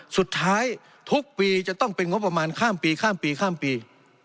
สุดท้ายทุกปีจะต้องเป็นงบประมาณข้ามปีข้ามปีข้ามปี